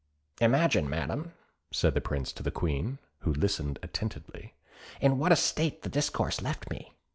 "Imagine, Madam," said the Prince to the Queen, who listened attentively, "in what a state this discourse left me."